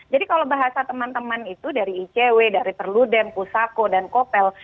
jadi kalau bahasa teman teman itu dari icw dari perludem pusako dan kopel